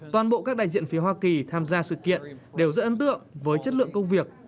toàn bộ các đại diện phía hoa kỳ tham gia sự kiện đều rất ấn tượng với chất lượng công việc